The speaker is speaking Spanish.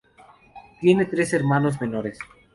Tiene tres hermanos menores.